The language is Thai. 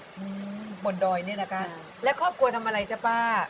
อืมบนดอยนี่แหละค่ะและครอบครัวทำอะไรจ๊ะป้า